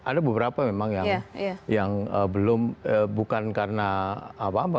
ada beberapa memang yang belum bukan karena apa apa